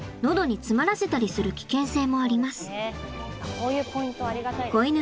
こういうポイントありがたいね。